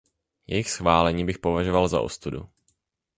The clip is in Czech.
Jejich schválení bych považoval za ostudu.